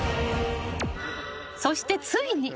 ［そしてついに］